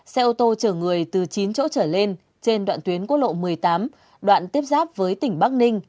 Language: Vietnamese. xe ô tô chở người từ chín chỗ trở lên trên đoạn tuyến quốc lộ một mươi tám đoạn tiếp giáp với tỉnh bắc ninh